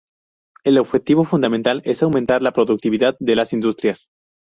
El objetivo fundamental es aumentar la productividad de las industrias.